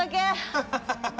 ハハハハハ！